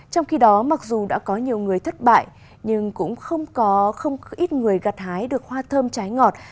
trong khi đó mặc dù đã có nhiều người thất bại nhưng cũng không có không ít người gặt hái được hoa thơm trái ngọt